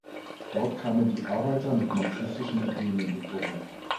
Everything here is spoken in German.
Dort kamen die Arbeiter mit marxistischen Ideen in Berührung.